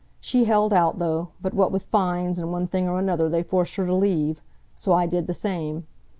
She held out, though, but what with fines, and one thing or another, they forced her to leave. So I did the same.